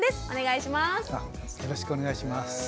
お願いします。